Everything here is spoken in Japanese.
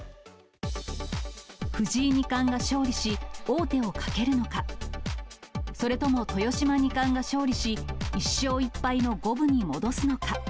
藤井二冠が勝利し、王手をかけるのか、それとも豊島二冠が勝利し、１勝１敗の五分に戻すのか。